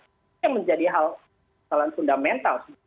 ini yang menjadi hal fundamental